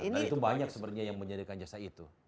nah itu banyak sebenarnya yang menyediakan jasa itu